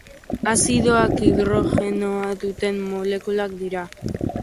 Azidoak hidrogenoa duten molekulak dira.